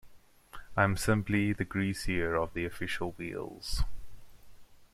I am simply the greaser of the official wheels.